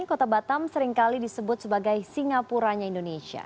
kota batam seringkali disebut sebagai singapuranya indonesia